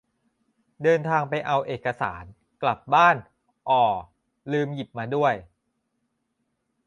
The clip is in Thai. เดินทางไปเอาเอกสาร กลับบ้าน อ่อ ลืมหยิบมาด้วย